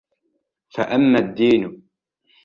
فَأَمَّا الدِّينُ